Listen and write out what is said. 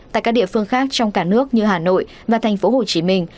tại các địa phương khác trong cả nước như hà nội và thành phố hồ chí minh